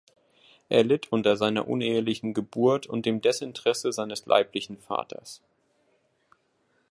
Er litt unter seiner unehelichen Geburt und dem Desinteresse seines leiblichen Vaters.